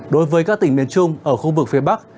đối với các tỉnh miền trung ở khu vực phía bắc